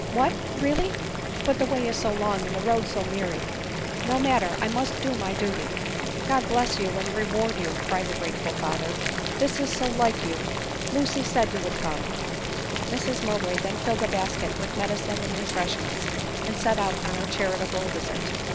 ." What, really? — But the way is so long, and the road so miry!" " No matter — I must do my duty." "God bless you, and reward you !" cried the grateful father — "that is so like you! Lucy said you would come !", Mrs Mowbray then filled a basket with medicine and refreshments, and set out on her charitable visit.